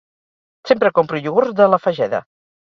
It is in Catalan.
Sempre compro iogurts de La Fageda.